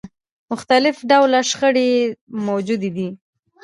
مختلف ډوله شخړې موجودې دي.